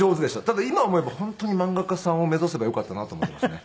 ただ今思えば本当に漫画家さんを目指せばよかったなと思ってますね。